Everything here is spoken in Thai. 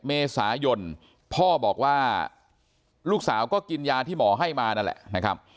เมษายนพ่อบอกว่าลูกสาวก็กินยาที่หมอให้มานั่นแหละนะครับ